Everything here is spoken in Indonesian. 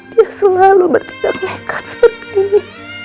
dia selalu bertindak nekat seperti ini